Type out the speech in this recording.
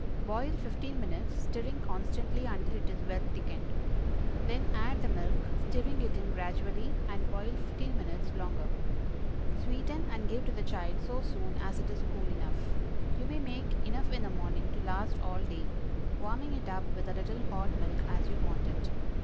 Boil fifteen minutes, stirring constantly until it is well thickened. Then add the milk, stirring it in gradually, and boil fifteen minutes longer. Sweeten, and give to the child so soon as it is cool enough. You may make enough in the morning to last all day; warming it up with a little hot milk as you want it.